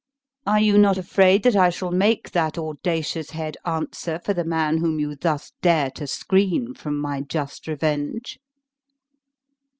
Are you not afraid that I shall make that audacious head answer for the man whom you thus dare to screen from my just revenge?"